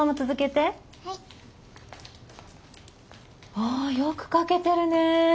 あよく描けてるね。